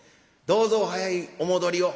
どうぞお早いお戻りを」。